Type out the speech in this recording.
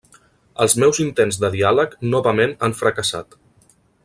Els meus intents de diàleg novament han fracassat.